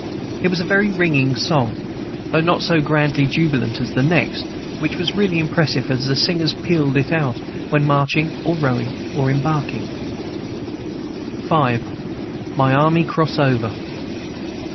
It was a very ringing song, though not so grandly jubilant as the next, which was really impressive as the singers pealed it out, when marching or rowing or embarking. V. MY ARMY CROSS OVER.